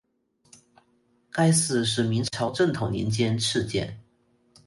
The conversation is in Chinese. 该寺是明朝正统年间敕建。